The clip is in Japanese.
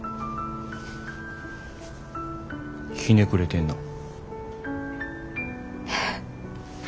ひねくれてんなぁ。